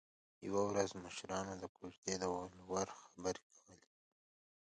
یوه ورځ مشرانو د کوژدې د ولور خبرې کولې